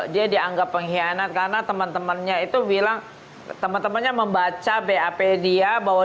dia dianggap pengkhianat karena teman temannya itu bilang teman temannya membaca bap dia bahwa